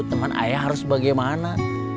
teman ayah harus bagaimana